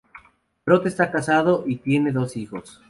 Roth está casado y tiene dos hijos.